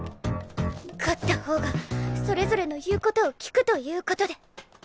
勝った方がそれぞれの言うことを聞くということで。